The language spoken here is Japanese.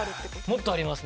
もっとあります